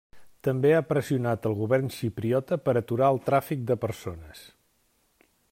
També ha pressionat el govern xipriota per aturar el tràfic de persones.